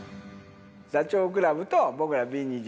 ダチョウ倶楽部と僕らＢ２１